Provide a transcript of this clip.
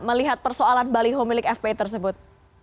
melihat persoalan baliho milik fpi tersebut